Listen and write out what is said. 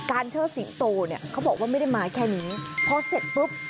การเชื่อสิงโตเนี้ยเขาบอกว่าไม่ได้มาแค่มีงเพราะเสร็จปึ๊บ